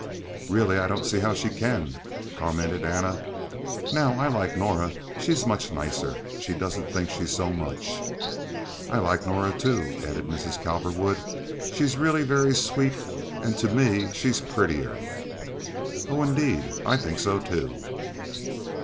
"Really, I don't see how she can," commented Anna. "Now, I like Norah. She's much nicer. She doesn't think she's so much." "I like Norah, too," added Mrs. Cowperwood. "She's really very sweet, and to me she's prettier." "Oh, indeed, I think so, too."